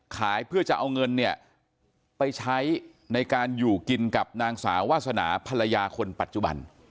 เพื่อจะเอาเงินเนี่ยไปใช้ในการอยู่กินกับนางสาววาสนาภรรยาคนปัจจุบัน